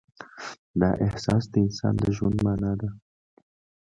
دا احساس د انسان د ژوند معنی ده.